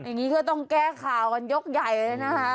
อย่างนี้ก็ต้องแก้ข่าวกันยกใหญ่เลยนะคะ